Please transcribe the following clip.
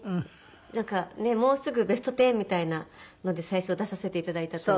なんかもうすぐベストテンみたいなので最初出させて頂いたと。